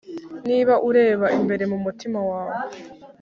niba ureba imbere mu mutima wawe